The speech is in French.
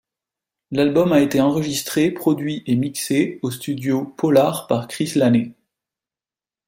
L'album a été enregistré, produit et mixés aux Studios Polar par Chris Laney.